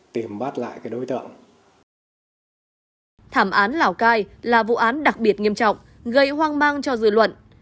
thảm án lào cai là vụ án đặc biệt nghiêm trọng gây hoang mang cho dư luận